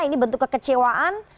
ini bentuk kekecewaan